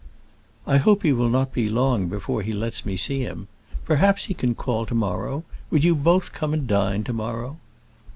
"I hope he will not be long before he lets me see him. Perhaps he can call to morrow. Would you both come and dine to morrow?"